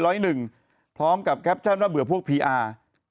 แล้วกับแก๊ปแจ้มว่าเบื่อพวกพีอาร์